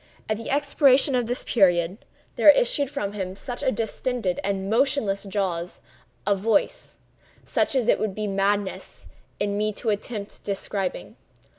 At the expiration of this period, there issued from the distended and motionless jaws a voice—such as it would be madness in me to attempt describing.